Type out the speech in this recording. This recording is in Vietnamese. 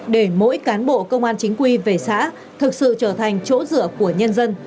để mỗi cán bộ công an chính quy về xã thực sự trở thành chỗ dựa của nhân dân